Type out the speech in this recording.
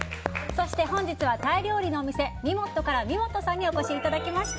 そして、本日はタイ料理のお店みもっとからみもっとさんにお越しいただきました。